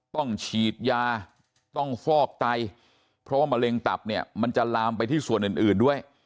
ต้องฉีดยาต้องฟอกไตเพราะว่ามะเร็งตับเนี่ยมันจะลามไปที่ส่วนอื่นด้วย